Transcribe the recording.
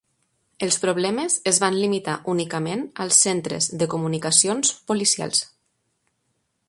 Els problemes es van limitar únicament als centres de comunicacions policials.